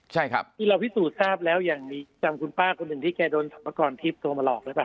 ใช่ครับคือเราพิสูจน์ทราบแล้วอย่างมีจำคุณป้าคนหนึ่งที่แกโดนสรรพากรทิพย์โทรมาหลอกหรือเปล่า